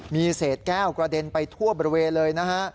มีเศษแก้วกระเด็นไปทั่วบริเวณเลยนะฮะ